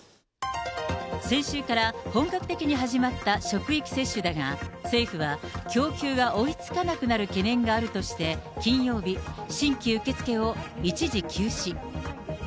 先週から本格的に始まった職域接種だが、政府は供給が追いつかなくなる懸念があるとして、金曜日、新規受け付けを一時休止。